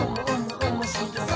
おもしろそう！」